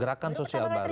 gerakan sosial baru